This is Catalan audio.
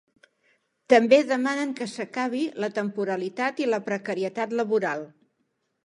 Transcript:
També demanen que s’acabi la temporalitat i la precarietat laboral.